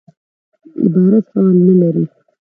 عبارت فعل نه لري.